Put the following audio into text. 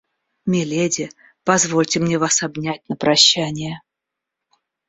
Миледи, позвольте мне вас обнять на прощание.